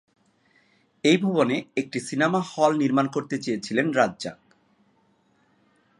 এই ভবনে একটি সিনেমা হল নির্মাণ করতে চেয়েছিলেন রাজ্জাক।